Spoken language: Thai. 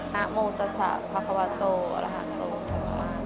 นักโมงตะสะภาควาโตอรหัตโตสัมมาสัมพุทธ